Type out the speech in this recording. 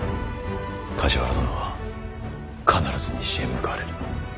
梶原殿は必ず西へ向かわれる。